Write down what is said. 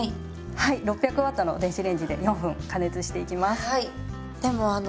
はい６００Ｗの電子レンジで４分加熱していきます。